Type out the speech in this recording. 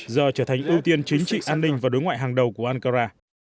giờ trở thành ưu tiên chính trị an ninh và đối ngoại hàng đầu của ankara